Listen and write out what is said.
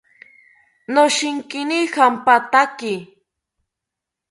Noshinkini jampataki